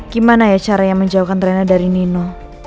gimana ya cara yang menjauhkan rina dari nino